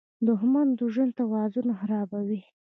• دښمني د ژوند توازن خرابوي.